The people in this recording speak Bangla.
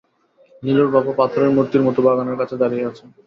নীলুর বাবা পাথরের মূর্তির মতো বাগানের কাছে দাঁড়িয়ে আছেন।